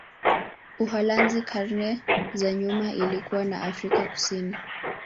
Uholanzi karne za nyuma ilikuwa na Afrika Kusini.